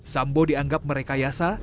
sambo dianggap merekayasa